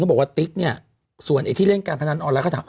บอกว่าติ๊กเนี่ยส่วนไอ้ที่เล่นการพนันออนไลน์เขาถาม